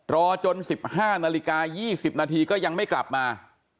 รอจน๑๕นาฬิกา๒๐นาทีก็ยังไม่กลับมา